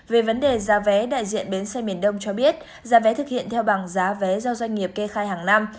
về vấn đề giá vé đại diện bến xe miền đông cho biết giá vé thực hiện theo bằng giá vé do doanh nghiệp kê khai hàng năm